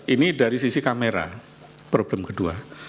ini dari sisi kamera problem kedua